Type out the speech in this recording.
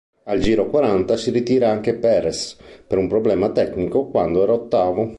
Al giro quaranta si ritira anche Pérez, per un problema tecnico, quando era ottavo.